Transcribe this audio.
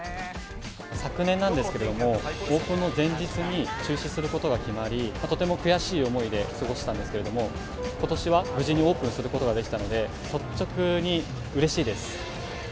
昨年なんですけれども、オープンの前日に中止することが決まり、とても悔しい思いで過ごしたんですけれども、ことしは無事にオープンすることができたので、率直にうれしいです。